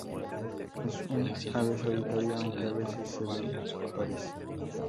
Es un ave solitaria aunque a veces se ven pares.